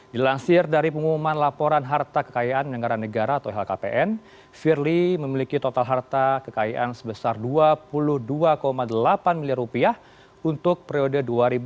dilansir dari pengumuman laporan harta kekayaan negara atau lhkpn firly memiliki total harta kekayaan sebesar rp dua puluh dua delapan miliar rupiah untuk periode dua ribu dua puluh